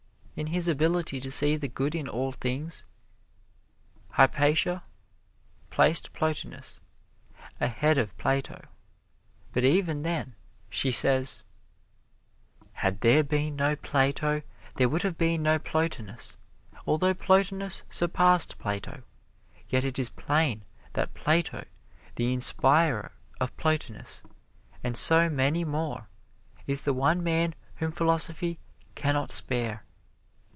In his ability to see the good in all things, Hypatia placed Plotinus ahead of Plato, but even then she says: "Had there been no Plato, there would have been no Plotinus; although Plotinus surpassed Plato, yet it is plain that Plato, the inspirer of Plotinus and so many more, is the one man whom philosophy can not spare.